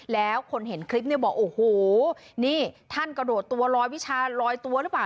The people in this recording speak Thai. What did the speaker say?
แล้วคนเห็นคลิปเนี่ยบอกโอ้โหนี่ท่านกระโดดตัวลอยวิชาลอยตัวหรือเปล่า